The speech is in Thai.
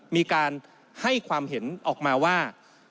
มีการให้ความเห็นออกมาว่า